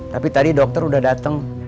tapi tadi dokter udah datang